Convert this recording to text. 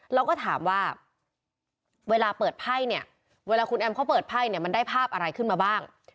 เราก็ถามว่าเวลาเปิดไพ่เนี่ยเวลาคุณแอมเขาเปิดไพ่เนี่ยมันได้ภาพอะไรขึ้นมาบ้าง